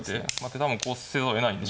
多分こうせざるをえないんでしょうね。